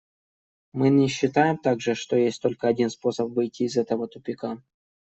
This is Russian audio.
Мы не считаем также, что есть только один способ выйти из этого тупика.